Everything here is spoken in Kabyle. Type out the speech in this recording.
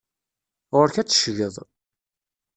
Ɣur-k ad teccgeḍ.